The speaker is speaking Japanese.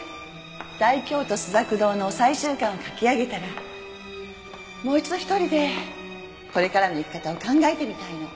『大京都朱雀堂』の最終巻を書き上げたらもう一度１人でこれからの生き方を考えてみたいの。